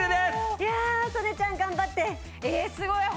いやあ曽根ちゃん頑張って！